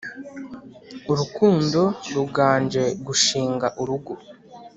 urukundo ruganje gushinga urugo